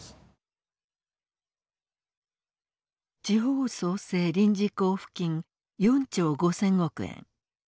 地方創生臨時交付金４兆５，０００億円。